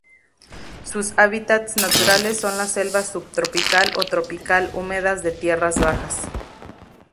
Sus hábitats naturales son las selvas subtropical o tropical húmedas de tierras bajas.